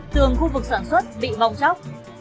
tường khu vực sản xuất bị mong chóc